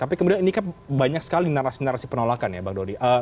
tapi kemudian ini kan banyak sekali narasi narasi penolakan ya bang doni